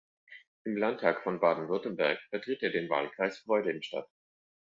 Im Landtag von Baden-Württemberg vertritt er den Wahlkreis Freudenstadt.